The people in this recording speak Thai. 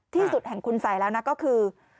ที่สุดแห่งคุณสัยแล้วนะก็คือ